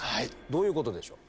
どういうことでしょう？